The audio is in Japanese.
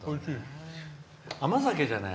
甘酒じゃない？